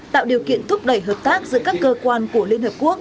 tạo điều kiện thúc đẩy hợp tác giữa các cơ quan của liên hợp quốc